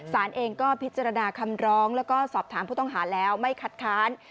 สารเองก็พิจารณาคำร้องแล้วก็สอบถามผู้ต้องหาแล้วไม่คัดค้าน